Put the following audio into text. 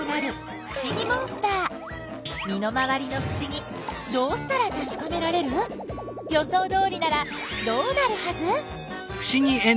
身の回りのふしぎどうしたらたしかめられる？予想どおりならどうなるはず？